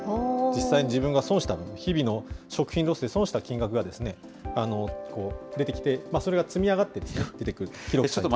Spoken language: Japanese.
実際、自分が損した、日々の食品ロスで損した金額が出てきて、それが積み上がって出てくると、記録すると。